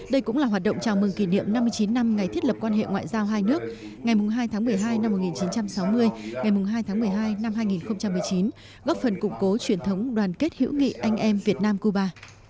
đây cũng là hoạt động chào mừng kỷ niệm năm mươi chín năm ngày thiết lập quan hệ ngoại giao hai nước ngày hai tháng một mươi hai năm một nghìn chín trăm sáu mươi ngày hai tháng một mươi hai năm hai nghìn một mươi chín góp phần củng cố truyền thống đoàn kết hữu nghị anh em việt nam cuba